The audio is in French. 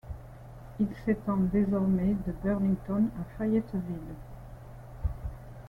Il s'étend désormais de Burlington à Fayetteville.